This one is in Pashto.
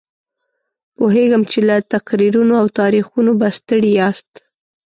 پوهېږم چې له تقریرونو او تاریخونو به ستړي یاست.